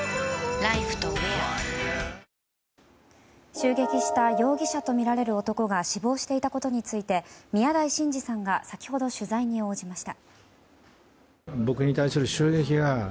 襲撃した容疑者とみられる男が死亡していたことについて宮台真司さんが先ほど取材に応じました。